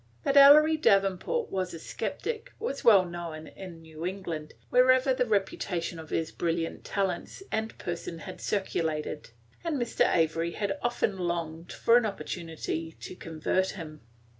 That Ellery Davenport was a sceptic was well known in New England, wherever the reputation of his brilliant talents and person had circulated, and Mr. Avery had often longed for an opportunity to convert him.